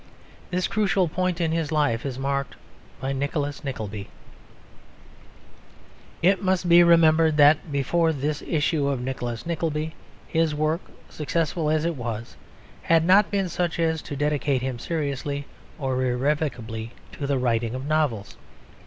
This crucial point in his life is marked by Nicholas Nickleby. It must be remembered that before this issue of Nicholas Nickleby his work, successful as it was, had not been such as to dedicate him seriously or irrevocably to the writing of novels.